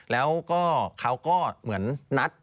แล้วก็เขาก็เหมือนนัด